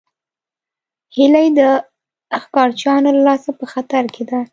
هیلۍ د ښکارچیانو له لاسه په خطر کې ده